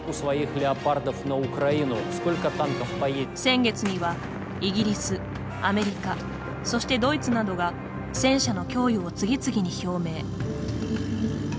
先月にはイギリスアメリカそしてドイツなどが戦車の供与を次々に表明。